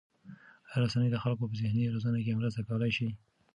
آیا رسنۍ د خلکو په ذهني روزنه کې مرسته کولای شي؟